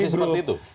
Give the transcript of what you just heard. masih seperti itu